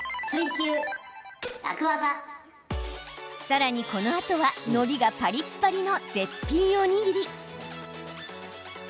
さらに、このあとはのりがパリッパリの絶品おにぎり。